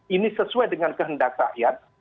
ini sesuai dengan kehendak rakyat